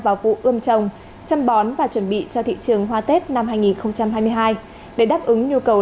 vào vụ ươm trồng chăm bón và chuẩn bị cho thị trường hoa tết năm hai nghìn hai mươi hai để đáp ứng nhu cầu